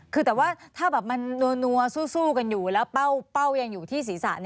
คือแต่ว่าถ้าแบบมันนัวสู้กันอยู่แล้วเป้ายังอยู่ที่ศีรษะ